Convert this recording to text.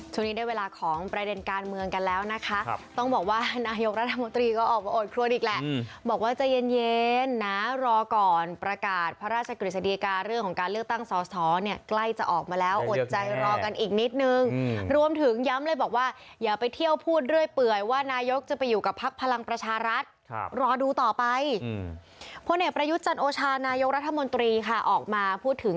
ทุกนี้ได้เวลาของประเด็นการเมืองกันแล้วนะคะ